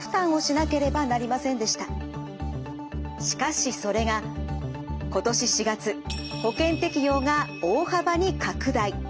しかしそれが今年４月保険適用が大幅に拡大。